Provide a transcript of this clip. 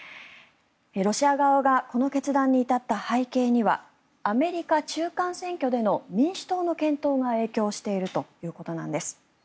ロシア側がこの決断に至った背景にはアメリカ中間選挙での民主党の健闘が影響しているということなんです。